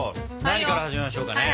何から始めましょうかね？